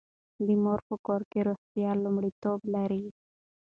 د مور په کور کې روغتیا لومړیتوب لري.